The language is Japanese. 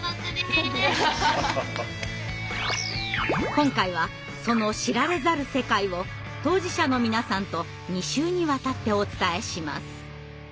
今回はその知られざる世界を当事者の皆さんと２週にわたってお伝えします。